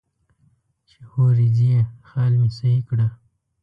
چې هورې ځې خال مې سهي کړه.